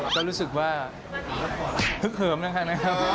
ก็รู้สึกว่าฮึกเหิมนะครับ